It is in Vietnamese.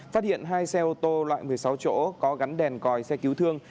phát hiện hai xe ô tô loại một mươi sáu chỗ có gắn đèn còi xe cứu thương